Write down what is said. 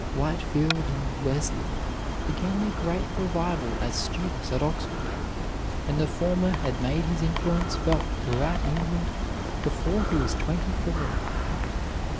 Whitefield and Wesley began their great revival as students at Oxford, and the former had made his influence felt throughout England before he was twenty four.